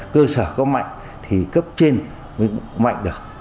cơ sở có mạnh thì cấp trên mới mạnh được